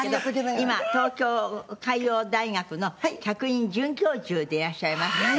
今東京海洋大学の客員准教授でいらっしゃいます。